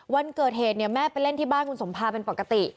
วันเกิดเหตุเนี่ยแม่ไปเล่นที่บ้านคุณสมภาเป็นปกติ